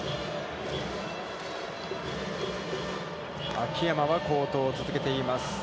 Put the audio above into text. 秋山は好投を続けています。